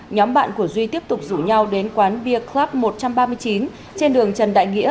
nhóm bạn của duy tiếp tục rủ nhau đến quán bia grab một trăm ba mươi chín trên đường trần đại nghĩa